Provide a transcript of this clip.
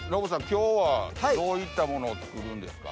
今日はどういったものを作るんですか？